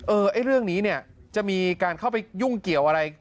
ไอ้เรื่องนี้เนี่ยจะมีการเข้าไปยุ่งเกี่ยวอะไร